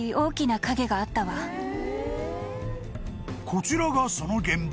［こちらがその現場］